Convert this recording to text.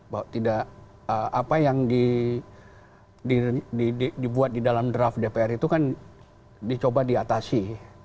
bahwa tidak apa yang dibuat di dalam draft dpr itu kan dicoba diatasi